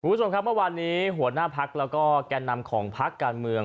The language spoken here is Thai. คุณผู้ชมครับเมื่อวานนี้หัวหน้าพักแล้วก็แก่นำของพักการเมือง